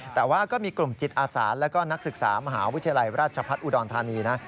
แต่ว่าก็มีกลุ่มจิตอาสาแล้วก็นักศึกษามหาวิทยาลัยราชพัฒน์อุดรธานีนะ